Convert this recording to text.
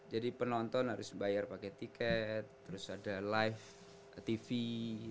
jadi penonton harus bayar pakai tiket terus ada live tv terus penontonnya juga banyak